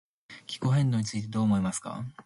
気候変動についてどう思いますか？